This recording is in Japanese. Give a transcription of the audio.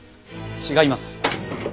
違います。